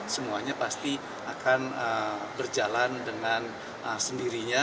semuanya pasti akan berjalan dengan sendirinya